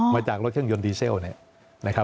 มาจากรถเครื่องยนต์ดีเซลเนี่ยนะครับ